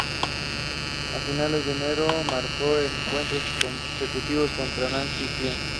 A finales de enero, marcó en encuentros consecutivos contra el Nancy y el Caen.